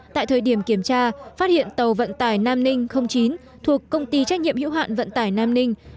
tại thời điểm kiểm tra phát hiện tàu vận tải nam ninh chín thuộc công ty trách nhiệm hữu hạn vận tải nam ninh